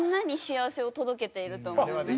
届けていると思います。